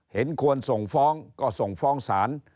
เห็นควรส่งฟ้องก็ส่งฟ้องศาล